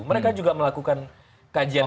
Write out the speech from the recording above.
mereka juga melakukan kajian